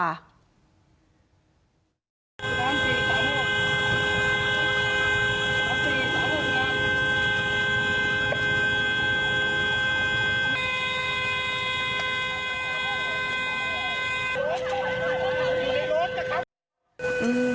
โอ้โห